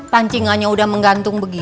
pancingannya udah menggantung begitu